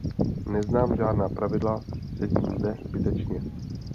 Neznám žádná pravidla, sedím zde zbytečně.